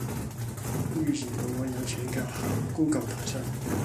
於是我唯有請教下 Google 大神